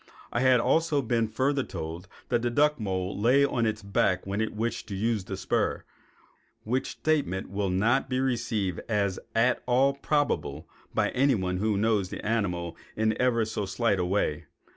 I had also been further told that the duck mole lay on its back when it wished to use the spur, which statement will not be received as at all probable by anyone who knows the animal in ever so slight a way.